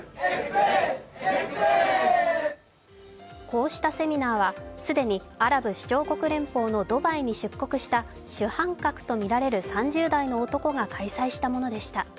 こうしたセミナーは既にアラブ首長国連邦のドバイに出国した主犯格とみられる３０代の男が開催したものでした。